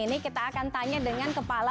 jadi kita akan tanya dengan kepala